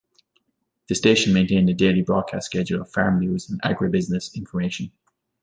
The station maintained a daily broadcast schedule of farm news and agribusiness information.